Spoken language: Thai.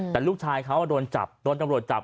แต่ลูกชายเขาโดนจับโดนตำรวจจับ